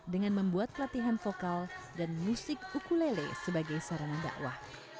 dengan membuat pelatihan vokal dan musik kukulele sebagai sarana dakwah